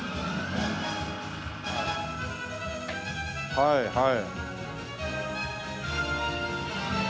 はいはい。